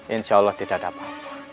insya allah tidak ada apa apa